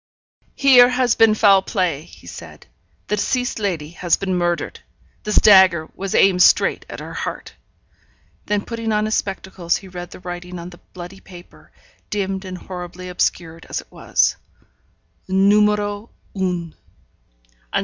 'Here has been foul play,' he said. 'The deceased lady has been murdered. This dagger was aimed straight at her heart.' Then putting on his spectacles, he read the writing on the bloody paper, dimmed and horribly obscured as it was: NUMÉRO UN.